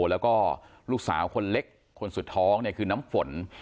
แล้วก็ลูกสาวคนเล็กคนสุดท้องเนี่ยคือน้ำฝน